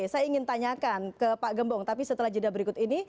saya ingin tanyakan ke pak gembong tapi setelah jeda berikut ini